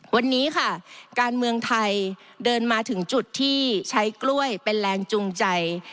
วันนี้ค่ะการเมืองไทยเดินมาถึงจุดที่ใช้กล้วยเป็นแรงจูงใจ